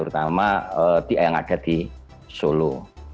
terutama yang ada di solo